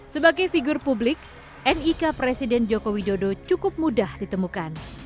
sebagai figur publik nik presiden joko widodo cukup mudah ditemukan